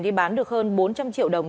đi bán được hơn bốn trăm linh triệu đồng